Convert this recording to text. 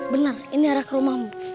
benar ini arah ke rumahmu